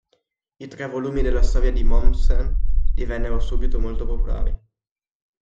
I tre volumi della Storia di Mommsen divennero subito molto popolari.